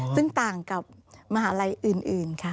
ซึ่งต่างกับมหาลัยอื่นค่ะ